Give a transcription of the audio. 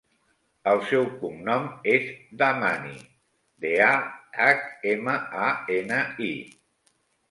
El seu cognom és Dahmani: de, a, hac, ema, a, ena, i.